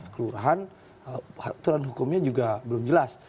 kelurahan aturan hukumnya juga belum jelas